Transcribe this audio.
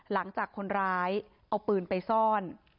หลังจากคนร้ายเอาปืนไปซ่อน